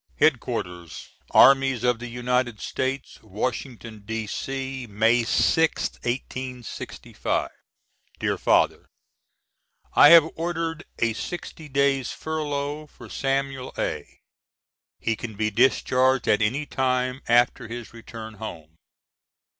] HEAD QUARTERS ARMIES OF THE UNITED STATES Washington, D.C., May 6th, 1865. >DEAR FATHER: I have ordered a sixty days' furlough for Samuel A. He can be discharged at any time after his return home.